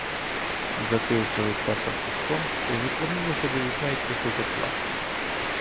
Закривши лице фартушком, відвернулася до вікна й тихо заплакала.